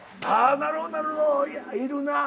なるほどなるほどいるなぁ。